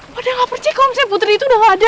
pada gak percaya kalau misalnya putri itu udah gak ada